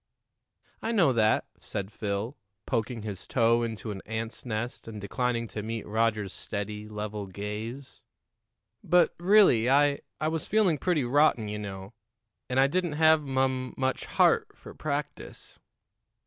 "I know that," said Phil, poking his toe into an ant's nest and declining to meet Roger's steady, level gaze; "but, really, I I was feeling pretty rotten, you know, and I didn't have mum much heart for practice."